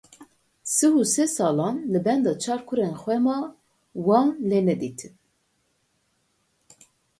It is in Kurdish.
Sih û sê salan li benda çar kurên xwe ma wan lê nedîtin.